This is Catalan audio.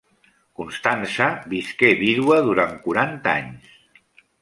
Constança visqué vídua durant quaranta anys.